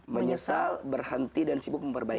menyesal berhenti dan sibuk memperbaiki